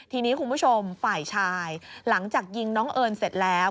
ทีนี้คุณผู้ชมฝ่ายชายหลังจากยิงน้องเอิญเสร็จแล้ว